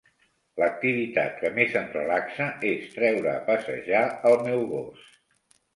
L'activitat que més em relaxa és treure a passejar el meu gos.